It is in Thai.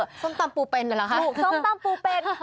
ส้มตำปูเป็นเลยหรือคะฮ่าฮ่าฮ่าฮ่าฮ่าฮ่าฮ่าฮ่าฮ่าฮ่าฮ่า